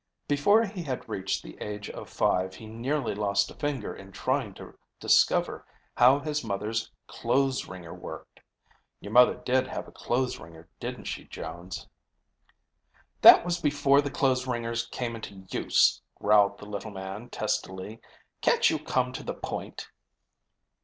Before he had reached the age of five, he nearly lost a finger in trying to discover how his mother's clothes wringer worked. Your mother did have a clothes wringer, didn't she, Jones?" "That was before the clothes wringers came into use," growled the little man testily. "Can't you come to the point?"